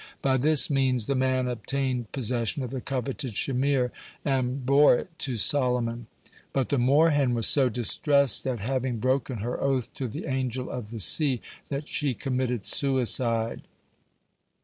By this means the man obtained possession of the coveted shamir, and bore it to Solomon. But the moor hen was so distressed at having broken her oath to the Angel of the Sea that she committed suicide.